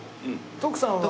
徳さんは？